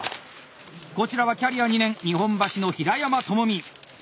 こちらはキャリア２年日本橋の平山朋実！